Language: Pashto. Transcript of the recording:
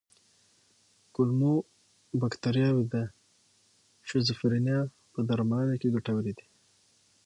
کولمو بکتریاوې د شیزوفرینیا په درملنه کې ګټورې دي.